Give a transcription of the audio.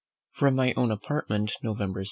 From my own Apartment, November 16.